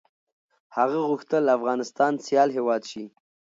هغه غوښتل افغانستان سيال هېواد شي.